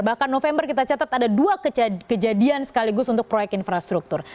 bahkan november kita catat ada dua kejadian sekaligus untuk proyek infrastruktur